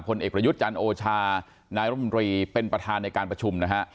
เอกประยุทธ์จันทร์โอชานายรมนตรีเป็นประธานในการประชุมนะฮะ